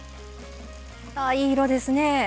ああいい色ですね。